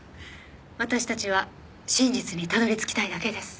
私たちは真実にたどり着きたいだけです。